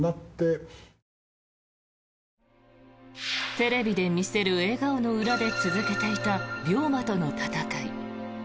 テレビで見せる笑顔の裏で続けていた病魔との闘い。